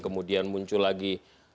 kemudian muncul lagi